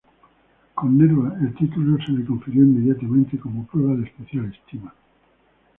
Con Nerva, el título se le confirió inmediatamente, como prueba de especial estima.